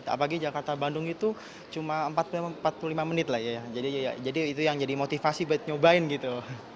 apalagi jakarta bandung itu cuma empat puluh lima menit lah ya jadi itu yang jadi motivasi buat nyobain gitu